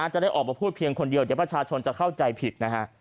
จะได้ออกมาพูดเพียงคนเดียวเดี๋ยวประชาชนจะเข้าใจผิดนะฮะ